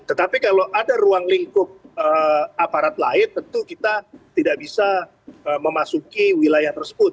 tetapi kalau ada ruang lingkup aparat lain tentu kita tidak bisa memasuki wilayah tersebut